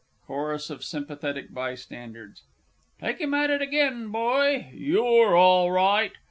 CHORUS OF SYMPATHETIC BYSTANDERS. Take him at it again, boy; you're all right!...